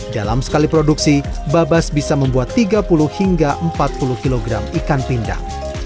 dalam sekali produksi babas bisa membuat tiga puluh hingga empat puluh kg ikan pindang